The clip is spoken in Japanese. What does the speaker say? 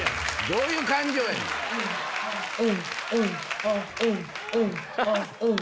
どういう感情やねん。